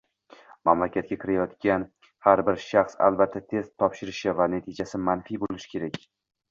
Mamlakatga kirayotgan har bir shaxs albatta test topshirishi va natijasi manfiy boʻlishi kerak.